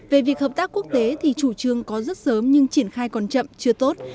về việc hợp tác quốc tế thì chủ trương có rất sớm nhưng triển khai còn chậm chưa tốt